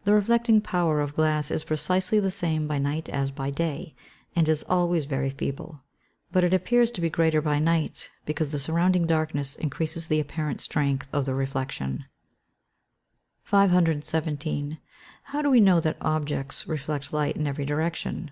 _ The reflecting power of glass is precisely the same by night as by day, and is always very feeble. But it appears to be greater by night, because the surrounding darkness increases the apparent strength of the reflection. 517. _How do we know that objects reflect light in every direction?